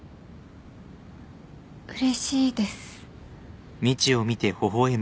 うれしいです。